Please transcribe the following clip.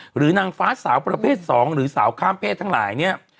หรือนางฟ้าสาวประเภท๒หรือสาวข้ามเพศทั้งหลายเนี่ย